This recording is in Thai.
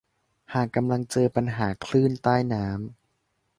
หากกำลังเจอปัญหาคลื่นใต้น้ำ